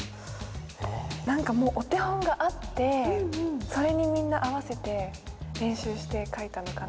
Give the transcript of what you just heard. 何かもうお手本があってそれにみんな合わせて練習して書いたのかな？